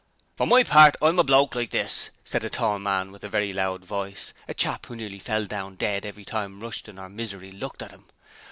'For my part, I'm a bloke like this,' said a tall man with a very loud voice a chap who nearly fell down dead every time Rushton or Misery looked at him.